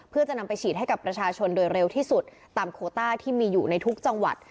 เพื่อจะนำไปฉีดให้กับประชาชนโดยเร็วที่สุดตามโคต้าที่มีอยู่ในทุกจังหวัด